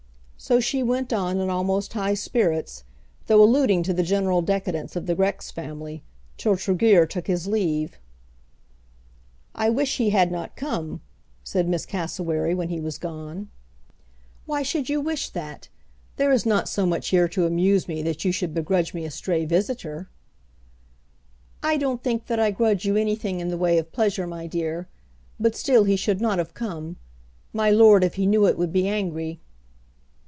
So she went on in almost high spirits, though alluding to the general decadence of the Grex family, till Tregear took his leave. "I wish he had not come," said Miss Cassewary when he was gone. "Why should you wish that? There is not so much here to amuse me that you should begrudge me a stray visitor." "I don't think that I grudge you anything in the way of pleasure, my dear; but still he should not have come. My Lord, if he knew it, would be angry."